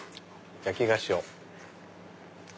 焼き菓子を。